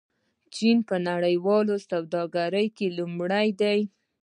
چین په نړیواله سوداګرۍ کې لومړی دی.